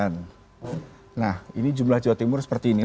nah ini jumlah jawa timur seperti ini